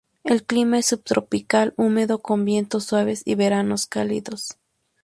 El clima es subtropical húmedo, con vientos suaves y veranos cálidos.